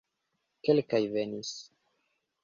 Kelkaj venis.